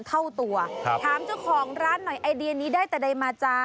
เท่าตัวครับถามเจ้าของร้านหน่อยไอเดียนี้ได้แต่ใดมาจ้า